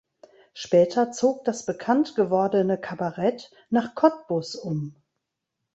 Später zog das bekannt gewordene Kabarett nach Cottbus um.